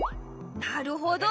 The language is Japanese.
なるほど！